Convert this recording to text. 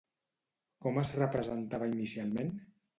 Com es representava inicialment?